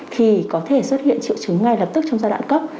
thì có thể xuất hiện triệu chứng ngay lập tức trong giai đoạn cấp